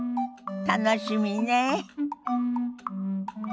楽しみねえ。